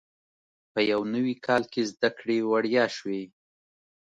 په یو نوي کال کې زده کړې وړیا شوې.